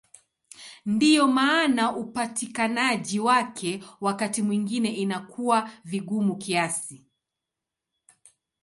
Ndiyo maana upatikanaji wake wakati mwingine inakuwa vigumu kiasi.